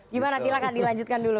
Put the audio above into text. gimana silahkan dilanjutkan dulu